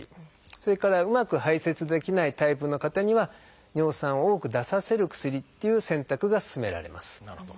それからうまく排せつできないタイプの方には尿酸を多く出させる薬っていう選択が勧められます。